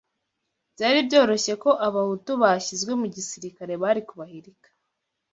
byari byoroshye ko abahutu bashyizwe mu gisirikare bari kubahirika